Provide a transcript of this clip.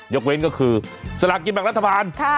ยกเว้นก็คือสลักกินแบบรัฐธรรมาน